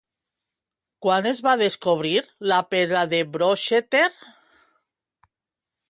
Quan es va descobrir la pedra de Wroxeter?